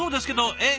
え？